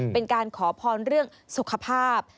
เป็นการขอพรเรื่องสุขภาพ